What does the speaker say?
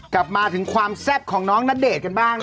กลับมาถึงความแซ่บของน้องณเดชน์กันบ้าง